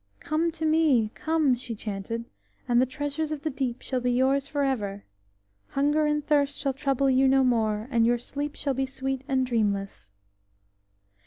"Come to me, come!" she chanted, "and the treasures of the deep shall be yours for ever. Hunger and thirst shall trouble you no more, and your sleep shall be sweet and dreamless."